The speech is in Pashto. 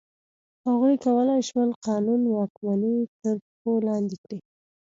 هغوی کولای شول قانون واکمني تر پښو لاندې کړي.